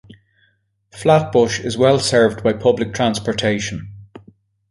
Flatbush is well served by public transportation.